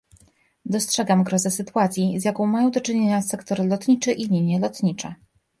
Dostrzegam grozę sytuacji, z jaką mają do czynienia sektor lotniczy i linie lotnicze